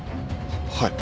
はい。